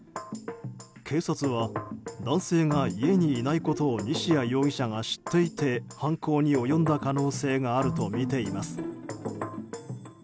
警察は、男性が家にいないことを西谷容疑者が知っていて犯行に及んだ可能性があるとみています。